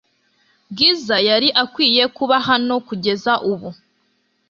Bwiza yari akwiye kuba hano kugeza ubu .